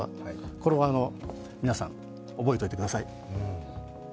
これは皆さん覚えておいてください。